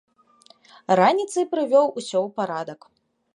Раніцай прывёў усё ў парадак.